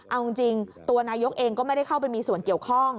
เอาจริงตัวนายกเองก็ไม่ได้เข้าไปมีส่วนเกี่ยวข้อง